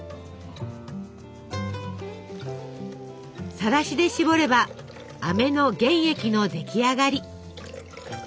さらしでしぼればあめの原液の出来上がり。